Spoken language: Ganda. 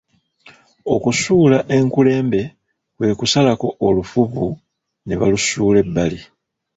Okusuula enkulembe kwe kusalako olufuvvu ne balusuula ebbali.